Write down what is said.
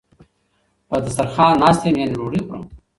په دسترخان ناست یم یعنی ډوډی خورم